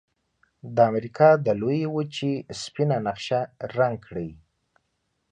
د امریکا د لویې وچې سپینه نقشه رنګ کړئ.